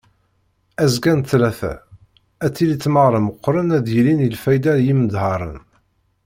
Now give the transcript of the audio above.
Azekka n ttlata ad tili tmeɣra meqqren ara d-yilin i lfayda n yimeḍharen.